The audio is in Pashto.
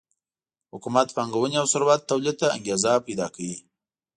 حکومت پانګونې او ثروت تولید ته انګېزه پیدا کوي